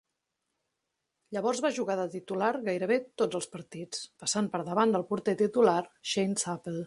Llavors va jugar de titular gairebé tots els partits, passant per davant del porter titular, Shane Supple.